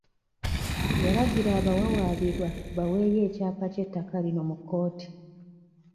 Yalagira abawawaabirwa baweeyo ekyapa ky'ettaka lino mu kkooti.